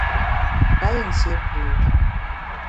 Payù nsié pùbe.